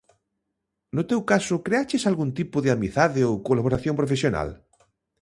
No teu caso, creaches algún tipo de amizade ou colaboración profesional?